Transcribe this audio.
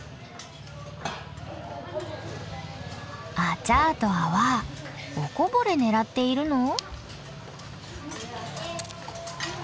アチャーとアワーおこぼれ狙っているの？